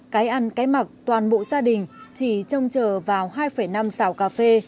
cái ăn cái mặc toàn bộ gia đình chỉ trông chờ vào hai năm xào cà phê